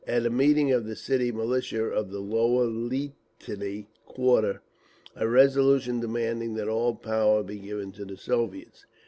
At a meeting of the City Militia of the Lower Liteiny Quarter, a resolution demanding that all power be given to the Soviets.